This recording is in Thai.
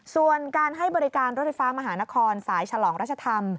ส่วนการให้บริการรถไฟฟ้ามหานครสายฉลองราชธรรม